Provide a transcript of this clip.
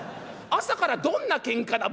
朝からどんなケンカだ。